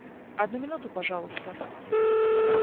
Одну минуту, пожалуйста.